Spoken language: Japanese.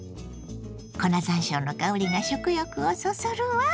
粉ざんしょうの香りが食欲をそそるわ。